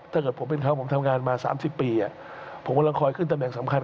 ถ้าเกิดผมเป็นเขาผมทำงานมาสามสิบปีอ่ะผมก็ลองคอยขึ้นตำแห่งสำคัญ